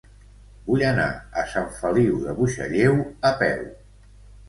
Vull anar a Sant Feliu de Buixalleu a peu.